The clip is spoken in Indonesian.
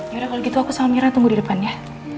ya udah kalau gitu aku sama mira tunggu di depan ya